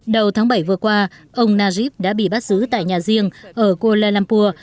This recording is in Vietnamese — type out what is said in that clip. đầu tháng bảy vừa qua ông najib đã bị bắt giữ tại nhà riêng ở kuala lumpur